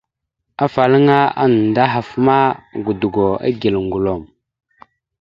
Afalaŋa anda ahaf ma, godogo igal gəlom.